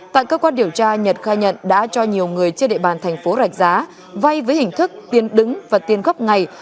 tại cơ quan điều tra nhật khai nhận đã cho nhiều người trên địa bàn thành phố rạch giá vay với hình thức tiền đứng và tiền gấp ngày